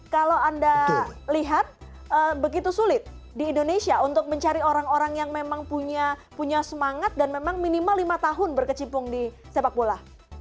kalau anda lihat begitu sulit di indonesia untuk mencari orang orang yang memang punya semangat dan memang minimal lima tahun berkecimpung di sepak bola